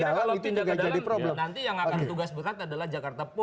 kalau pindah ke dalam nanti yang akan tugas berkat adalah jakarta pus